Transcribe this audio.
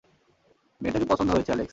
মেয়েটাকে পছন্দ হয়েছে, অ্যালেক্স!